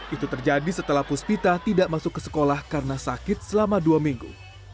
itu terjadi setelah puspita tidak masuk ke sekolah karena sakit selama dua minggu